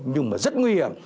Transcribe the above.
nhưng mà rất nguy hiểm